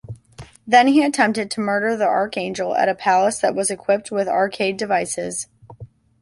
Then he attempted to murder the Archangel at a palace that was equipped with arcade devices.